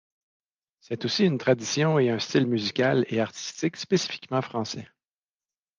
C'est aussi une tradition et un style musical et artistique spécifiquement français.